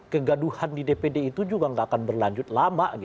kegaduhan di dpd itu juga nggak akan berlanjut lama